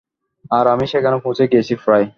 আর আমি সেখানেই পৌঁছে গেছি প্রায়।